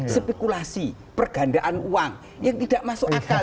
spekulasi pergandaan uang yang tidak masuk akal